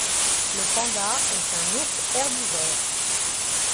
Le panda est un ours herbivore